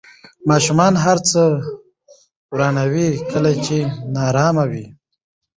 ماشومان هر څه ورانوي کله چې نارامه وي.